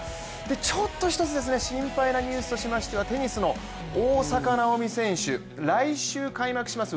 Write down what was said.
ちょっと１つ心配なニュースとしましてはテニスの大坂なおみ選手来週開幕します